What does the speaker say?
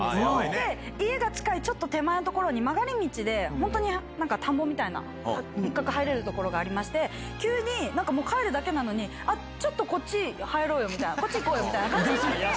で、家が近いちょっと手前の所に曲がり道で、本当になんか田んぼみたいな、入れる所がありまして、急にもう帰るだけなのに、あっ、ちょっとこっち入ろうよみたいな、こっち行こうよみたいな感じに言われて。